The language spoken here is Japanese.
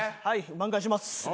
挽回します。